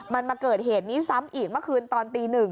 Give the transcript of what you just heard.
มันมาเกิดเหตุนี้ซ้ำอีกเมื่อคืนตอนตี๑